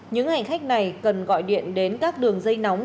những hành khách này cần gọi điện đến các đường dây nóng